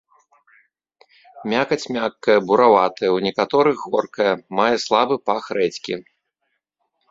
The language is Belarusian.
Мякаць мяккая, бураватая, у некаторых горкая, мае слабы пах рэдзькі.